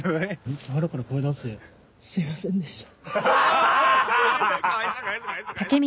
すいませんでした。